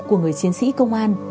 của người chiến sĩ công an